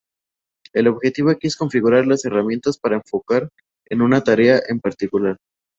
El objetivo aquí es configurar las herramientas para enfocar en una tarea en particular.